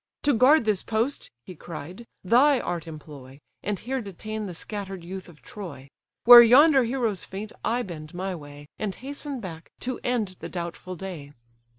"To guard this post (he cried) thy art employ, And here detain the scatter'd youth of Troy; Where yonder heroes faint, I bend my way, And hasten back to end the doubtful day."